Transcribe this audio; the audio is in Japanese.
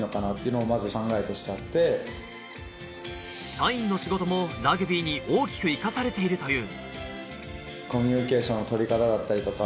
社員の仕事もラグビーに大きく生かされているという。